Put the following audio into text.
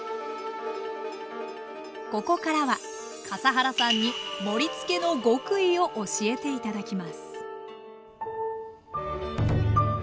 ここからは笠原さんに「盛りつけの極意」を教えて頂きます